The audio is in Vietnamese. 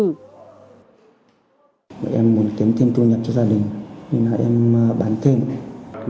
em muốn kiếm thêm thu nhập cho gia đình nên em bán thêm